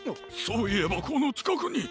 そういえばこのちかくに！